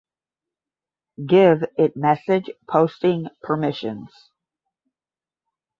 give it message posting permissions